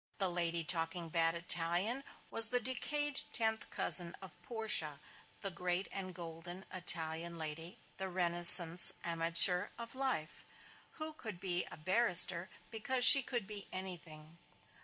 The lady talking bad Italian was the decayed tenth cousin of Portia, the great and golden Italian lady, the Renascence amateur of life, who could be a barrister because she could be anything.